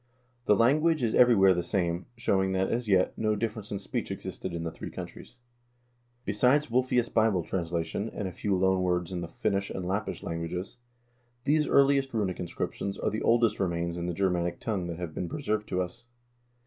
The language is every where the same, showing that, as yet, no difference in speech existed in the three countries. Besides Wulfilas Bible translation, and a few loan words in the Finnish and Lappish languages, these earliest runic inscriptions are the oldest remains in the Germanic tongue that have been preserved to us.